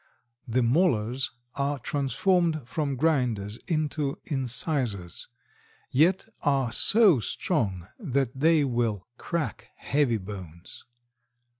The molars are transformed from grinders into incisors, yet are so strong that they will crack heavy bones.